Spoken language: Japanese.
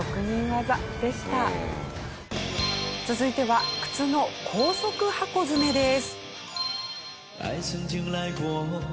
続いては靴の高速箱詰めです。